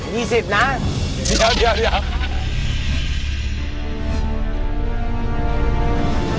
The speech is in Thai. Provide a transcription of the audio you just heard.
เดี๋ยว